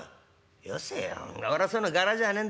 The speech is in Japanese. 「よせよ。俺はそういうの柄じゃねえんだ。